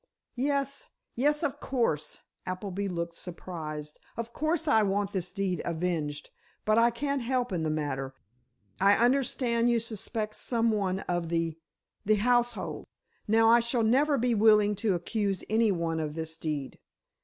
"Yes—yes, of course." Appleby looked surprised. "Of course I want this deed avenged. But I can't help in the matter. I understand you suspect some one of the—the household. Now, I shall never be willing to accuse any one of this deed.